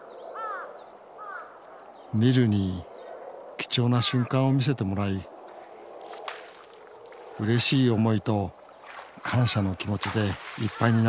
ニルに貴重な瞬間を見せてもらいうれしい思いと感謝の気持ちでいっぱいになります